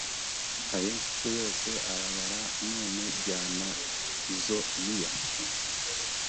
ayo mfite yose arabara none jyana izo miya